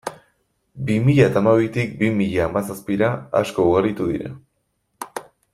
Bi mila eta hamabitik bi mila hamazazpira, asko ugaritu dira.